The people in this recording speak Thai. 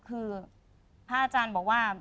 คือพระอาจารย์บอกว่า